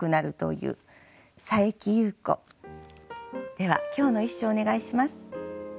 では今日の一首をお願いします。